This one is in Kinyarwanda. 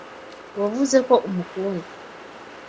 Wavuze ko umukunda.